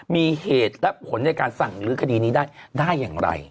มีเหตุและผลในการสั่งลื้อคดีนี้ได้ได้อย่างไร